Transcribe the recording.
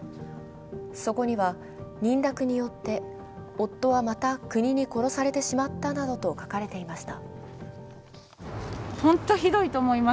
そこには、認諾によって夫はまた国に殺されてしまったなどと書かれていました。